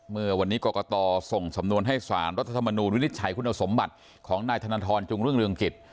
เมื่อวันนี้กรกตส่งสำนวนให้สารรัฐธรรมนูลวินิจฉัยคุณสมบัติของนายธนทรจึงรุ่งเรืองกิจ